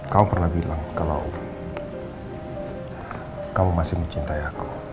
kau pernah bilang kalau kamu masih mencintai aku